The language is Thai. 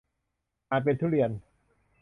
อ่านเป็น ทุเรียน